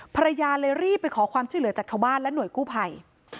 ภรรยาเลยรีบไปขอความช่วยเหลือจากชาวบ้านและหน่วยกู้ภัย